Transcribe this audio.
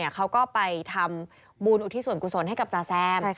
เขาก็ไปทำบุญอุทิศส่วนกุศลให้กับจาแซม